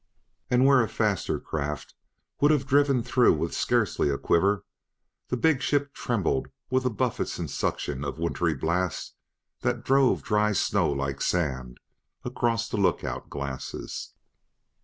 And where a faster craft would have driven through with scarcely a quiver, the big ship trembled with the buffets and suction of a wintry blast that drove dry snow like sand across the lookout glasses.